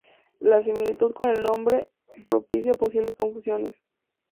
La similitud con el nombre, propicia posibles confusiones.